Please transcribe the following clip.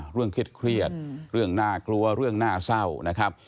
เรื่องเครียดเรื่องน่ากลัวเรื่องน่าเศร้านะครับ